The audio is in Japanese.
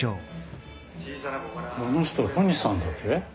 この人小西さんだっけ？